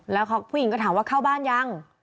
แล้วผู้หญิงก็ถามว่าเข้าบ้านยัง